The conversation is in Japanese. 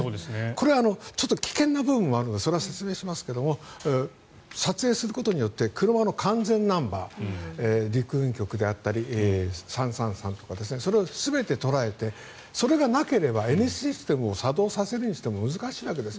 これは危険な部分もあるのでそれは説明しますけども撮影することによって車の完全ナンバー陸運局であったり３３３とかそれを捉えていてそれがなければＮシステムを作動させるにしても難しいわけです。